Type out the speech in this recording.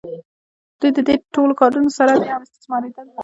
دوی د دې ټولو کارونو سره بیا هم استثماریدل.